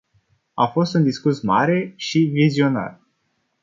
A fost un discurs mare și vizionar.